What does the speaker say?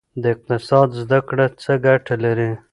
د اقتصاد زده کړه څه ګټه لري؟